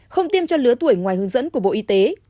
không tiêm cho lứa tuổi ngoài hướng dẫn của bộ y tế